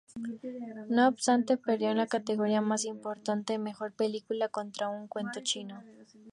No obstante, perdió en la categoría más importante, "Mejor película", contra "Un cuento chino".